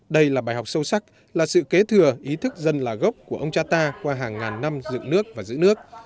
đây là bài học sâu sắc là sự kế thừa ý thức dân là gốc của ông cha ta qua hàng ngàn năm dựng nước và giữ nước